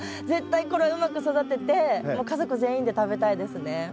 絶対これはうまく育ててもう家族全員で食べたいですね。